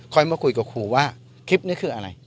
มาคุยกับครูว่าคลิปนี้คืออะไร